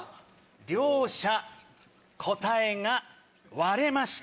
両者答えが割れました。